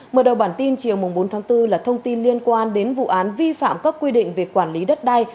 mở đầu bản tin chiều bốn tháng bốn là thông tin liên quan đến vụ án vi phạm các quy định về quản lý đất đai